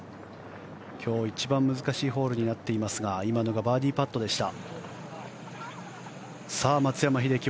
今日一番難しいホールになっていますが今のがバーディーパットでした。